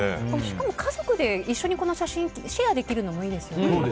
しかも家族で一緒にこの写真をシェアできるのもいいですね。